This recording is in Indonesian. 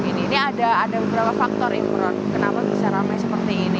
jadi ini ada beberapa faktor imran kenapa bisa ramai seperti ini